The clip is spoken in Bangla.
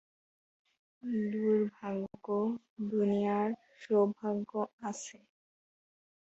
দূর্ভাগ্যের দুনিয়ায় সৌভাগ্য আছে।